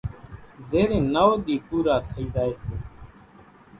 زيرين نوَ ۮي پورا ٿئي زائي سي